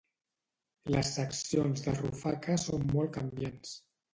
Les seccions de Rufaca són molt canviants.